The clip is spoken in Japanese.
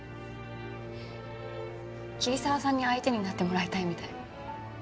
桐沢さんに相手になってもらいたいみたい。